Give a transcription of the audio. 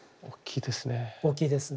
大きいですね。